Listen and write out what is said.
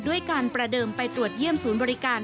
ด้วยการประเดิมไปตรวจเยี่ยมศูนย์บริการ